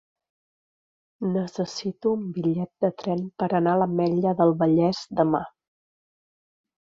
Necessito un bitllet de tren per anar a l'Ametlla del Vallès demà.